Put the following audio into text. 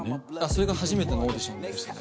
それが初めてのオーディションでしたね。